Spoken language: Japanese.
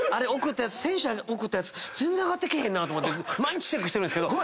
先週送ったやつ全然上がってけえへんなとか毎日チェックしてるんですけど。